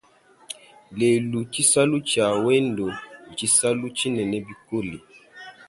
Lelu, tshisalu tshia wendo ntshisalu tshinene bikole.